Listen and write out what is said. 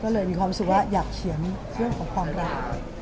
ก็เลยมีความรู้สึกว่าอยากเขียนเรื่องของความรัก